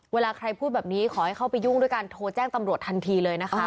เวลาใครพูดแบบนี้ขอให้เข้าไปยุ่งด้วยการโทรแจ้งตำรวจทันทีเลยนะคะ